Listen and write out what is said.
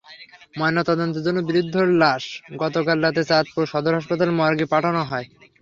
ময়নাতদন্তের জন্য বৃদ্ধার লাশ গতকাল রাতে চাঁদপুর সদর হাসপাতালের মর্গে পাঠানো হয়।